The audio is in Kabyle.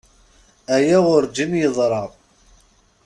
Aya urǧin yeḍra.